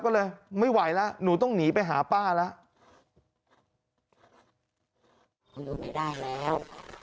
ก็เลยไม่ไหวแล้วหนูต้องหนีไปหาป้าแล้ว